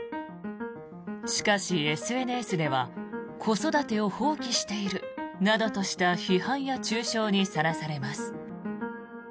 しかし、ＳＮＳでは子育てを放棄しているなどとした批判や中傷にさらされます。